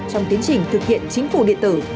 trong tiến trình thực hiện chính phủ điện tử